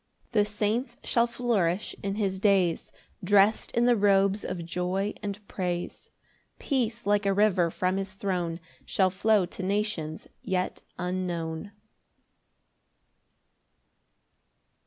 6 The saints shall flourish in his days, Drest in the robes of joy and praise; Peace like a river from his throne Shall flow to nations yet unknown.